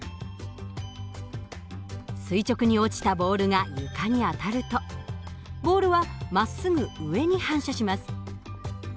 垂直に落ちたボールが床に当たるとボールはまっすぐ上に反射します。